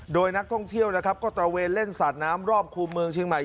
โดยนักท่องเที่ยวนะครับก็ตระเวนเล่นสาดน้ำรอบคู่เมืองเชียงใหม่